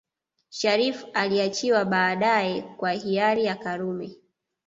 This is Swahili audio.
Shariff aliachiwa baadae kwa hiari ya Karume